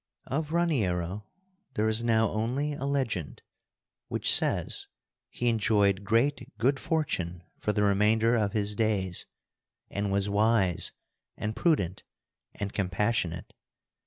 Of Raniero there is now only a legend, which says he enjoyed great good fortune for the remainder of his days, and was wise, and prudent, and compassionate.